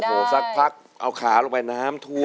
โอ้โหสักพักเอาขาลงไปน้ำท่วม